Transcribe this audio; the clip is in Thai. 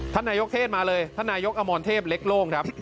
ท่านนายกเทศมาเลยท่านนายกอมรเทพเล็กโล่งครับ